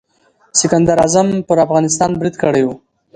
سکندر اعظم پر افغانستان برید کړی و.